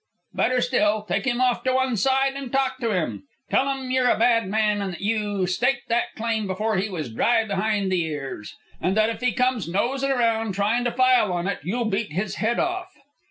Better still, take him off to one side and talk to him. Tell'm you're a bad man, and that you staked that claim before he was dry behind the ears, and that if he comes nosin' around tryin' to file on it you'll beat his head off."